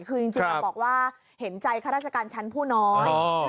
คือจริงบอกว่าเห็นใจข้าราชการชั้นผู้น้อย